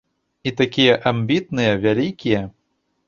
І такія амбітныя, вялікія.